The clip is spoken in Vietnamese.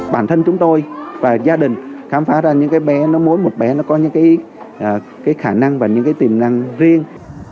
bản thân chúng tôi và gia đình khám phá ra những bé mỗi một bé có những khả năng và những tiềm năng riêng